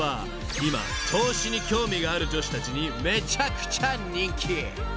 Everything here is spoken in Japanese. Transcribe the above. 今投資に興味がある女子たちにめちゃくちゃ人気］